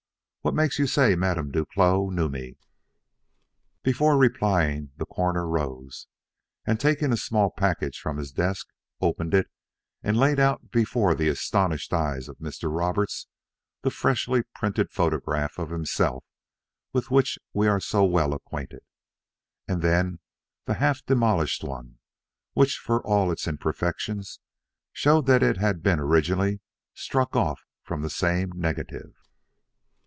What makes you say Madame Duclos knew me?" Before replying, the Coroner rose, and taking a small package from his desk, opened it, and laid out before the astonished eyes of Mr. Roberts the freshly printed photograph of himself with which we are so well acquainted, and then the half demolished one which for all its imperfections showed that it had been originally struck off from the same negative.